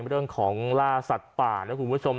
เรื่องของล่าสัตว์ป่านะคุณผู้ชม